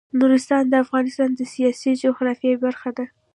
نورستان د افغانستان د سیاسي جغرافیه برخه ده.